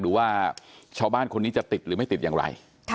ดูว่าชาวบ้านคนนี้จะติดหรือไม่ติดอย่างไร